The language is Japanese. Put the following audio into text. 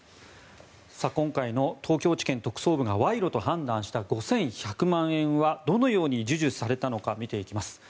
今回の東京地検特捜部が賄賂と判断した５１００万円はどのように授受されたのか見ていきます。